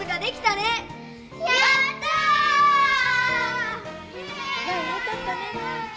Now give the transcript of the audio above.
ワンよかったね。